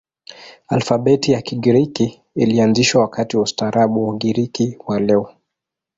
Alfabeti ya Kigiriki ilianzishwa wakati wa ustaarabu wa Ugiriki wa leo.